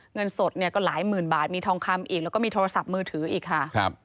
เงินสดเนี่ยก็หลายหมื่นบาทมีทองคำอีกแล้วก็มีโทรศัพท์มือถืออีกค่ะ